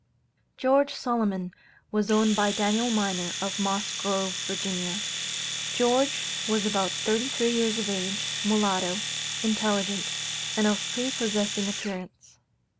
George Solomon was owned by Daniel Minor, of Moss Grove, Va. George was about thirty three years of age; mulatto, intelligent, and of prepossessing appearance.